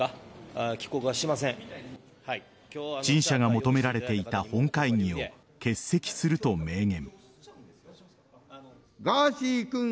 陳謝が求められていた本会議を欠席すると明言。